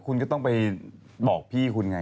คุณก็ต้องไปบอกพี่คุณไง